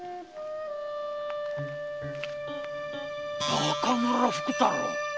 「中村福太郎」。